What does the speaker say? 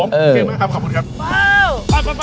โอเคมากครับขอบคุณครับ